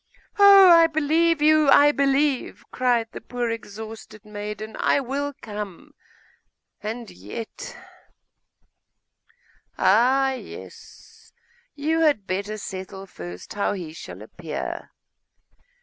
'Oh, I believe you I believe,' cried the poor exhausted maiden. 'I will come; and yet ' 'Ah! yes! You had better settle first how he shall appear.